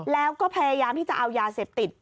แล้วก็พยายามที่จะเอายาเสพติด